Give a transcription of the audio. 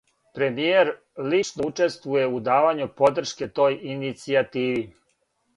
Премијер лично учествује у давању подршке тој иницијативи.